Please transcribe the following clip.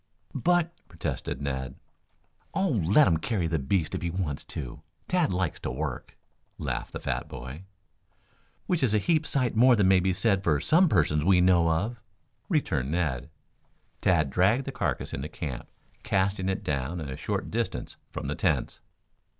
"But " protested Ned. "Oh, let him carry the beast if he wants to. Tad likes to work," laughed the fat boy. "Which is a heap sight more than may be said of some persons we know of," returned Ned. Tad dragged the carcass into camp, casting it down a short distance from the tents.